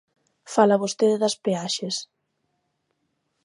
Fala vostede das peaxes.